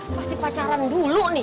pasti pacaran dulu nih